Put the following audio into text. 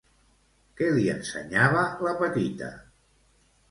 Què li ensenyava la petita?